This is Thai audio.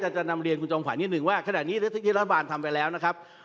เดี๋ยวจะนำเรียนคุณจงฝันนิดหนึ่งว่าขนาดนี้ที่รัฐบาลทำไปแล้วนะครับ